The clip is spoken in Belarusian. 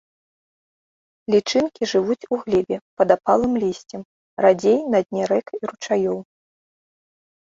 Лічынкі жывуць у глебе, пад апалым лісцем, радзей на дне рэк і ручаёў.